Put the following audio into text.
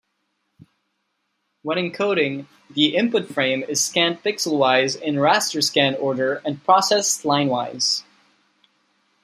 When encoding, the input frame is scanned pixel-wise in raster-scan order and processed line-wise.